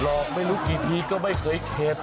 ไม่รู้กี่ทีก็ไม่เคยเข็ด